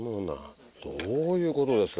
どういうことですか